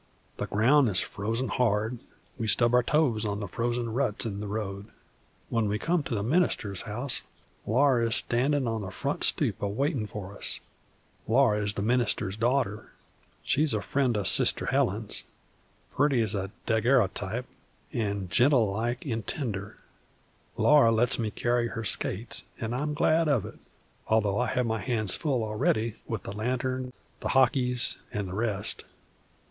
The ground is frozen hard; we stub our toes on the frozen ruts in the road. When we come to the minister's house, Laura is standin' on the front stoop, a waitin' for us. Laura is the minister's daughter. She's a friend o' Sister Helen's pretty as a dag'err'otype, an' gentle like and tender. Laura lets me carry her skates, an' I'm glad of it, although I have my hands full already with the lantern, the hockies, and the rest.